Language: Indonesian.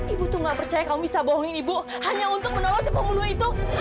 ibu tuh gak percaya kamu bisa bohongin ibu hanya untuk menolak si pembunuh itu